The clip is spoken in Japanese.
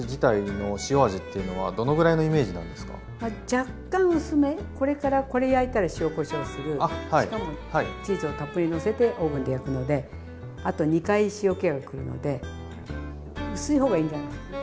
若干薄めこれからこれ焼いたら塩・こしょうするしかもチーズをたっぷりのせてオーブンで焼くのであと２回塩気がくるので薄いほうがいいんじゃないですかね。